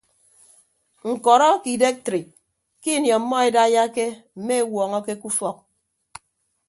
Ñkọrọ ake idektrik ke ini ọmmọ edaiyake mme ewuọñọke ke ufọk.